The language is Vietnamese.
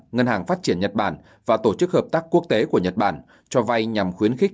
ngân hàng phát triển nhật bản và tổ chức hợp tác quốc tế của nhật bản cho vay nhằm khuyến khích